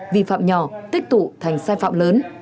vi phạm nhỏ tích tụ thành sai phạm lớn